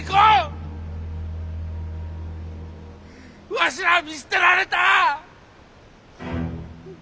わしらぁ見捨てられた！